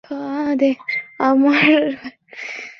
এই ভালোবাসাই তো ছিল না আমার কাছে।